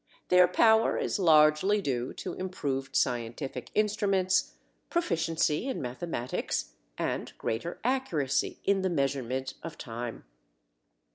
Their power is largely due to improved scientific instruments, proficiency in mathematics and greater accuracy in the measurement of time.